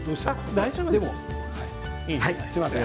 大丈夫です。